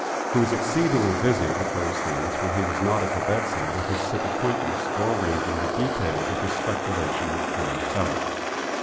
He was exceedingly busy with those things when he was not at the bedside of his sick acquaintance, or arranging the details of his speculation with Col. Sellers.